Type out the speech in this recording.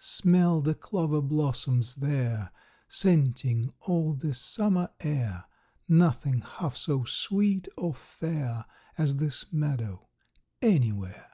"Smell the clover blossoms there, Scenting all the summer air; Nothing half so sweet or fair, As this meadow, anywhere!"